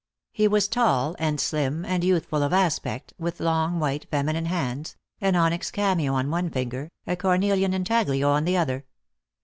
He was tall and slim, and youthful of aspect, with long white feminine hands, an onyx cameo on one finger, a cornelian intaglio on the other.